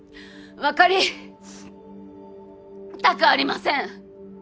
わかりたくありません！